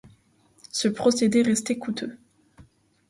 Ce procédé restait coûteux.